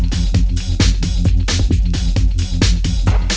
pokoknya mereka gak mau sekolah lagi